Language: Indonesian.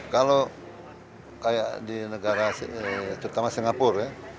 kalau kayak di negara terutama singapura ya